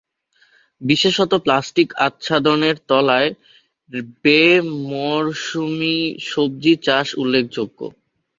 বিশেষত প্লাস্টিক আচ্ছাদনের তলায় বে-মরশুমী সবজি চাষ উল্লেখযোগ্য।